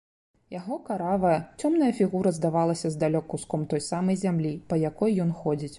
Яго каравая, цёмная фігура здавалася здалёк куском той самай зямлі, па якой ён ходзіць.